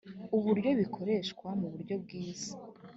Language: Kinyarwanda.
uburyo bikoreshwa mu buryo bwiza